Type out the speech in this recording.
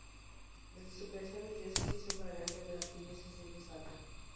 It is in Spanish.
Desde su creación es diócesis sufragánea de la arquidiócesis de Salta.